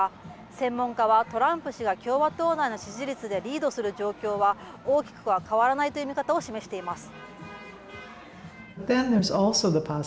専門家は、トランプ氏が共和党内の支持率でリードする状況は、大きくは変わらないという見方を示しています。